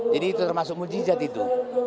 jadi itu termasuk mujizat itu